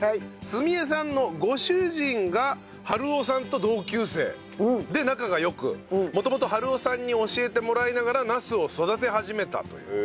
すみ江さんのご主人が治夫さんと同級生で仲が良く元々治夫さんに教えてもらいながらなすを育て始めたという。